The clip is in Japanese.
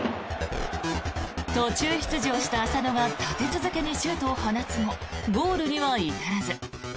途中出場した浅野が立て続けにシュートを放つもゴールには至らず。